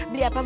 beli apa bu